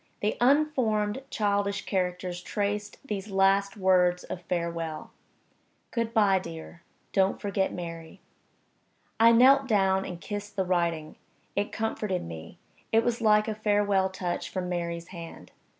The unformed childish characters traced these last words of farewell: "Good by, dear. Don't forget Mary." I knelt down and kissed the writing. It comforted me it was like a farewell touch from Mary's hand.